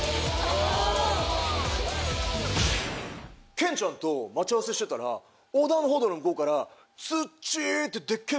健ちゃんと待ち合わせしてたら横断歩道の向こうからツッチー！ってでっけぇ